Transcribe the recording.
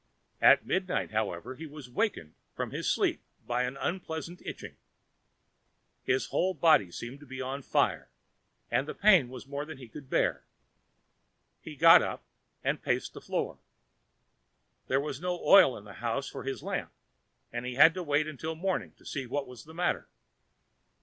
At midnight, however, he was wakened from his sleep by an unpleasant itching. His whole body seemed to be on fire, and the pain was more than he could bear. He got up and paced the floor. There was no oil in the house for his lamp, and he had to wait until morning to see what was the matter.